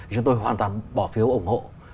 chúng tôi hoàn toàn bỏ phiếu ủng hộ